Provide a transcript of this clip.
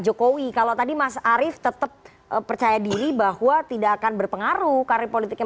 jokowi kalau tadi mas arief tetap percaya diri bahwa tidak akan berpengaruh karir politiknya